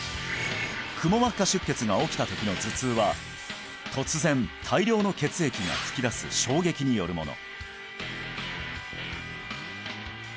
くも膜下出血が起きた時の頭痛は突然大量の血液がふき出す衝撃によるもの